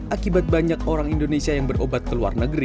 akibat banyak orang indonesia yang berobat ke luar negeri